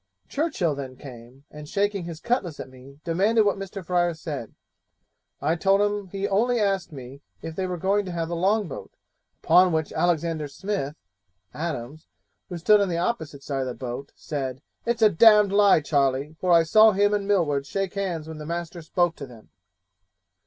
Churchill then came, and shaking his cutlass at me, demanded what Mr. Fryer said. I told him that he only asked me if they were going to have the long boat, upon which Alexander Smith (Adams), who stood on the opposite side of the boat, said, "It's a d d lie, Charley, for I saw him and Millward shake hands when the master spoke to them."